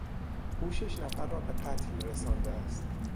او شش نفر را به قتل رسانده است.